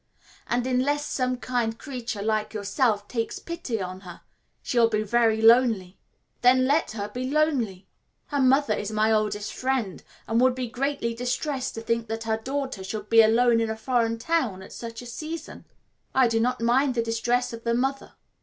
" and unless some kind creature like yourself takes pity on her she will be very lonely." "Then let her be lonely." "Her mother is my oldest friend, and would be greatly distressed to think that her daughter should be alone in a foreign town at such a season." "I do not mind the distress of the mother."